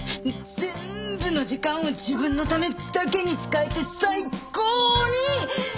全部の時間を自分のためだけに使えて最高に。